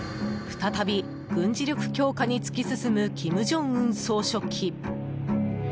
再び、軍事力強化に突き進む金正恩総書記。